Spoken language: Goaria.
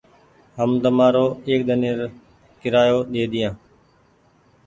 هم تآرو ايڪ ۮن ني رو ڪيرآيو ڏيديا۔